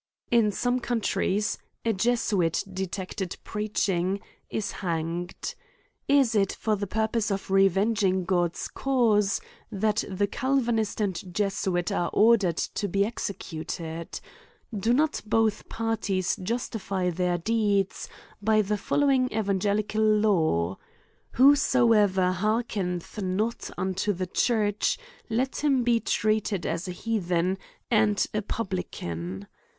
In some countries, a Jesuit detected preaching, is hanged. Is it for the purpose of reveling God's cause, that the Calvanist and Jesuit are or dered to be executed ? Do not both parties justi fy their deeds by the following evangelical law ; Whosoever hearkeneth not unto the church* let ib4 • A COMMENTAHY ON him be treated as a heathen and a publican'^.